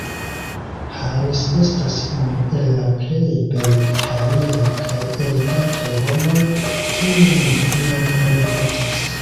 Harris estas unu el la plej beltaliaj kaj elegantaj homoj, kiujn mi iam renkontis.